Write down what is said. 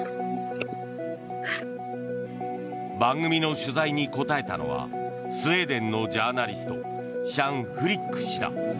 番組の取材に答えたのはスウェーデンのジャーナリストシャン・フリック氏だ。